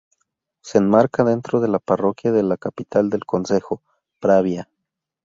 Se enmarca dentro de la parroquia de la capital del concejo, Pravia.